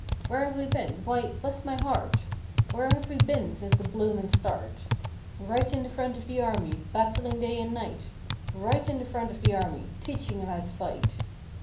Where have we been? Why, bless my heart, Where have we been since the bloomin' start? Right in the front of the army, Battling day and night! Right in the front of the army, Teaching 'em how to fight!'